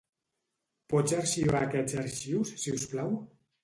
Pots arxivar aquests arxius, si us plau?